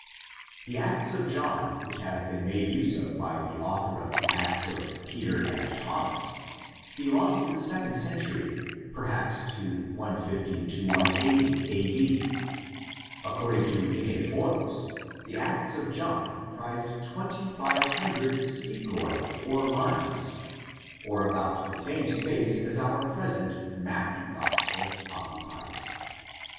The Acts of John, which have been made use of by the author of the Acts of Peter and Thomas, belong to the second century, perhaps to 150 180 A. D. According to Ni cephorus, the Acts of John comprised twenty five hundred stichoi, or lines, or about the same space as our present Matthew Gospel occupies.